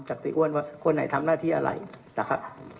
เสียอ้วนว่าคนไหนทำหน้าที่อะไรนะครับ